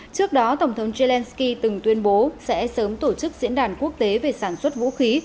trước đó tổng thống zelensky từng tuyên bố sẽ sớm tổ chức diễn đàn quốc tế về sản xuất vũ khí